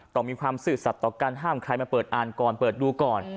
ต้องมีความซื่อสัตว์ต่อการห้ามใครมาเปิดอ่านก่อนเปิดดูก่อน